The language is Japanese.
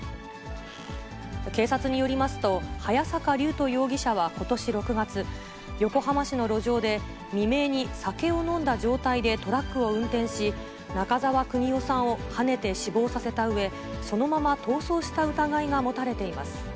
警察によりますと、早坂龍斗容疑者はことし６月、横浜市の路上で、未明に酒を飲んだ状態でトラックを運転し、中沢国夫さんをはねて死亡させたうえ、そのまま逃走した疑いが持たれています。